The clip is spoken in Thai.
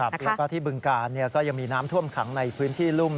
แล้วก็ที่บึงกาลก็ยังมีน้ำท่วมขังในพื้นที่รุ่ม